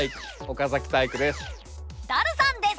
岡崎体育です。